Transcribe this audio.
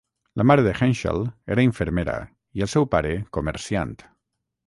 La mare de Henshall era infermera, i el seu pare comerciant.